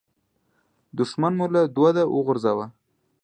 دوښمن مو له دوده وغورځاوو.